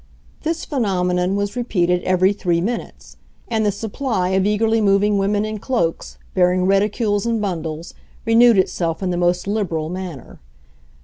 This phenomenon was repeated every three minutes, and the supply of eagerly moving women in cloaks, bearing reticules and bundles, renewed itself in the most liberal manner.